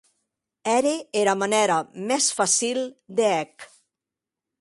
Ère era manèra mès facil de hè'c.